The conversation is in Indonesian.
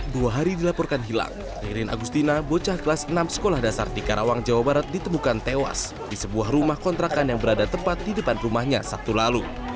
dua hari dilaporkan hilang irin agustina bocah kelas enam sekolah dasar di karawang jawa barat ditemukan tewas di sebuah rumah kontrakan yang berada tepat di depan rumahnya sabtu lalu